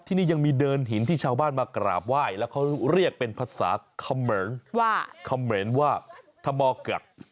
ที่นี่ยังมีเดินหินที่ชาวบ้านมากราบไหว้แล้วเขาเรียกเป็นภาษาเขมรคำเหม็นว่าธมอเกือก